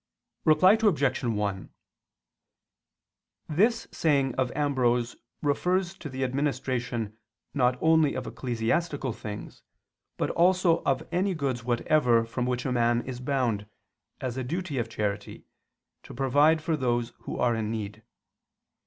Reply Obj. 1: This saying of Ambrose refers to the administration not only of ecclesiastical things but also of any goods whatever from which a man is bound, as a duty of charity, to provide for those who are in need.